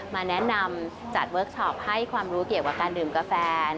มาแนะนำจัดเวิร์คชอปให้ความรู้เกี่ยวกับการดื่มกาแฟ